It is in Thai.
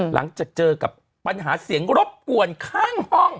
หลังจากเจอกับปัญหาเสียงรบกวนข้างห้อง